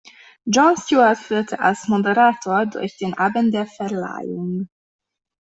Jon Stewart führte als Moderator durch den Abend der Verleihung.